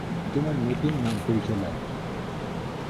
তোমার নতুন নাম-পরিচয় লাগবে।